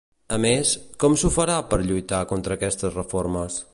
A més, com s'ho farà per lluitar contra aquestes reformes?